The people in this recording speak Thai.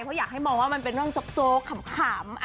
เพราะอยากให้มองว่ามันเป็นเรื่องโจ๊กขำ